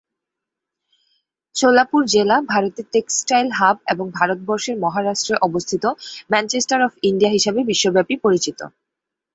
সোলাপুর জেলা "ভারতের textile hub" এবং ভারতবর্ষের মহারাষ্ট্রে অবস্থিত "ম্যানচেস্টার অফ ইন্ডিয়া" হিসাবে বিশ্বব্যাপী পরিচিত।